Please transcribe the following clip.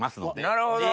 なるほど！